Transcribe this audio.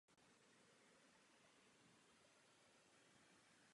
Orientován byl jako liberál.